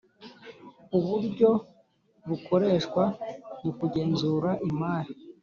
uburyo bukoreshwa mu kugenzura imari